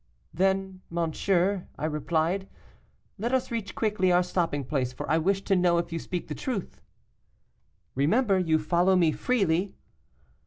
'Then, monsieur,' I replied, 'let us reach quickly our stopping place, for I wish to know if you speak the truth.' 'Remember, you follow me freely.